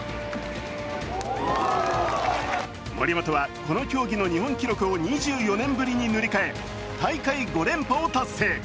森本はこの競技の日本記録を２４年ぶりに塗り替え、大会５連覇を達成。